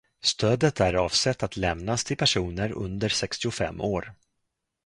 Stödet är avsett att lämnas till personer under sextiofem år.